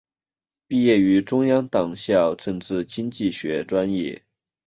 毕业于中央党校政治经济学专业。